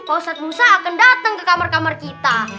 pak ustadz musa akan dateng ke kamar kamar kita